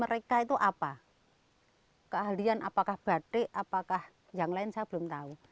mereka itu apa keahlian apakah batik apakah yang lain saya belum tahu